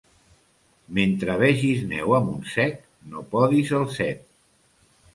Mentre vegis neu a Montsec, no podis el cep.